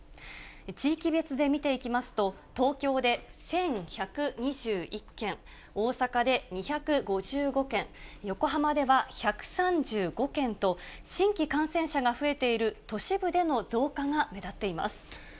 地域別で見ていきますと、東京で１１２１件、大阪で２５５件、横浜では１３５件と、新規感染者が増えている都市部での増加が目立っています。